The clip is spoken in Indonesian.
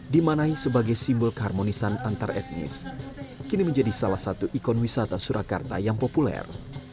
dimanai sebagai simbol keharmonisan antar etnis kini menjadi salah satu ikon wisata surakarta yang populer